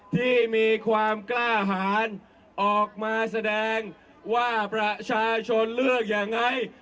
ที่มีความกล้าหารออกมาแสดงว่าประชาชนเลือกยังไง